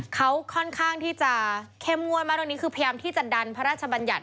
เขาค่อนข้างที่จะเข้มงวดมากตรงนี้คือพยายามที่จะดันพระราชบัญญัติ